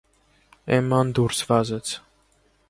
Էմման դուրս վազեց: